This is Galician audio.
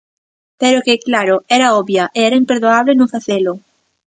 Pero é que, claro, era obvia, e era imperdoable non facelo.